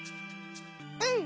うん！